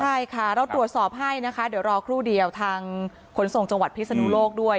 ใช่ค่ะเราตรวจสอบให้นะคะเดี๋ยวรอครู่เดียวทางขนส่งจังหวัดพิศนุโลกด้วย